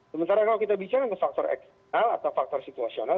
sementara kalau kita bicara ke faktor eksternal atau faktor situasional